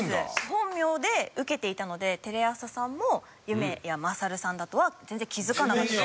本名で受けていたのでテレ朝さんも夢屋まさるさんだとは全然気づかなかった。